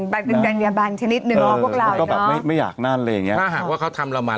แบบอยากน่ารับบานชนิดหนึ่งออกพวกเรา